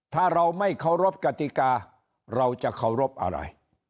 ถ้าเราไม่เคารพกติกาเราจะเคารพอะไร